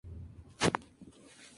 Yuki Maki